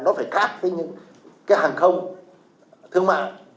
nó phải khác với những cái hàng không thương mại